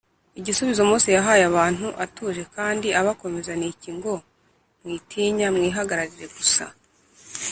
igisubizo mose yahaye abantu atuje kandi abakomeza ni iki ngo: “mwitinya, mwihagararire gusa